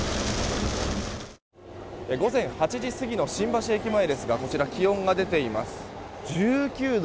午前８時過ぎの新橋駅前ですが気温が出ています、１９度。